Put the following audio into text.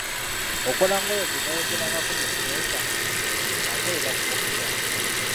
Okola ng'oyo gwe twayogerako mu kusooka, akolera ku mukisa.